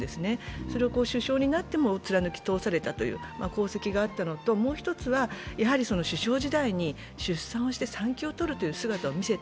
それを首相になっても貫き通された功績があったということともう１つは、首相時代に出産して産休を取るという姿を見せた。